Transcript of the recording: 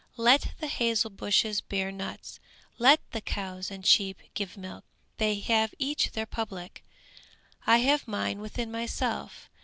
Let the hazel bushes bear nuts! Let the cows and sheep give milk; they have each their public, I have mine within myself!